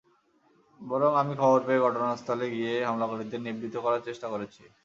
বরং আমি খবর পেয়ে ঘটনাস্থলে গিয়ে হামলাকারীদের নিবৃত্ত করার চেষ্টা করেছি।